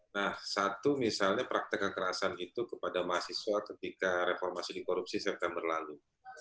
nah satu misalnya praktek kekerasan itu kepada mahasiswa ketika reformasi dikorupsi september lalu